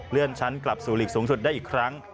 ชั้นกลับสู่ลีกสูงสุดได้อีกครั้ง